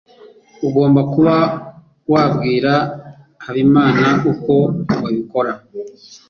Ugomba kuba wabwira Habimana uko wabikora.